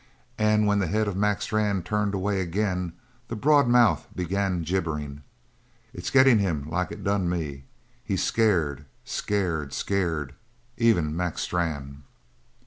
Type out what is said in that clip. And when the head of Mac Strann turned away again the broad mouth began gibbering: "It's gettin' him like it done me. He's scared, scared, scared even Mac Strann!"